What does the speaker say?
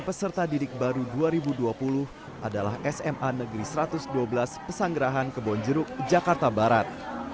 peserta didik baru dua ribu dua puluh adalah sma negeri satu ratus dua belas pesanggerahan kebonjeruk jakarta barat